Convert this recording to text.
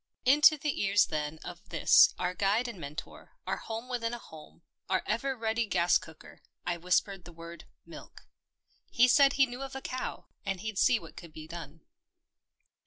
Into the ears then of this our guide and mentor, our home within a home, our ever ready gas cooker, I whispered the word milk. He said he knew of a cow, and he'd see what could be done.